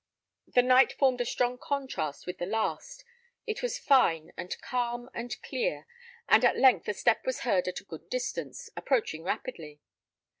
The night formed a strong contrast with the last: it was fine, and calm, and clear, and at length a step was heard at a good distance, approaching rapidly.